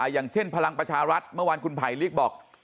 อย่างเช่นพลังประชารัฐเมื่อวานคุณไผลลิกบอก